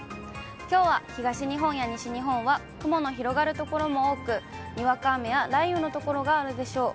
きょうは東日本や西日本は、雲の広がる所も多く、にわか雨や雷雨の所があるでしょう。